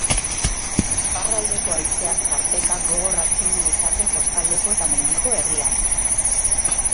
Iparraldeko haizeak tarteka gogor astindu lezake kostaldeko eta mendiko herriak.